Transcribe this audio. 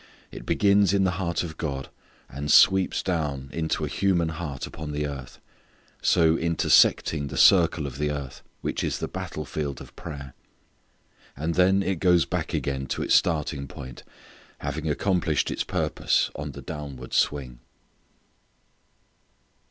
It begins in the heart of God, sweeps down into a human heart upon the earth, so intersecting the circle of the earth, which is the battle field of prayer, and then it goes back again to its starting point, having accomplished its purpose on the downward swing.